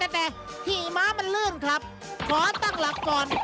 แต่ขี่ม้ามันลื่นครับขอตั้งหลักก่อน